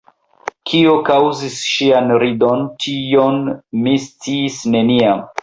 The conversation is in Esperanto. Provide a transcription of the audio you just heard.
Kio kaŭzis ŝian ridon, tion mi sciis neniam.